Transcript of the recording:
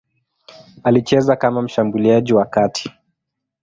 Alicheza kama mshambuliaji wa kati.